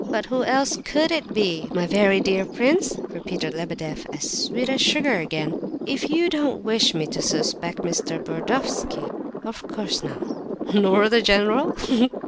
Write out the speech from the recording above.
"But who else could it be, my very dear prince?" repeated Lebedeff, as sweet as sugar again. "If you don't wish me to suspect Mr. Burdovsky?" "Of course not." "Nor the general? Ha, ha, ha!"